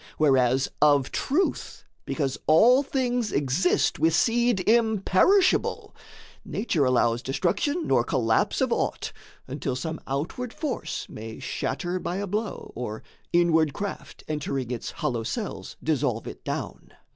Whereas, of truth, because all things exist, With seed imperishable, Nature allows Destruction nor collapse of aught, until Some outward force may shatter by a blow, Or inward craft, entering its hollow cells, Dissolve it down.